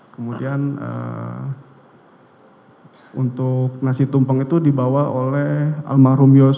kemudian untuk nasi tumpeng itu dibawa oleh almarhum yosua